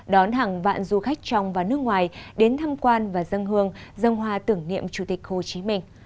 đón hàng vạn du khách trong và nước ngoài đến thăm quan và dân hương dân hoa tưởng niệm chủ tịch hồ chí minh